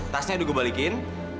tasnya udah gue balikin